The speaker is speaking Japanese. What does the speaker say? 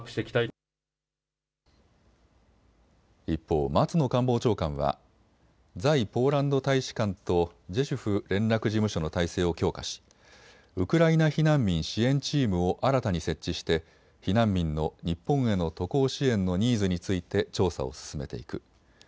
一方、松野官房長官は、在ポーランド大使館とジェシュフ連絡事務所の体制を強化しウクライナ避難民支援チームを新たに設置して避難民の日本への渡航支援のニーズについて調査を進めていく。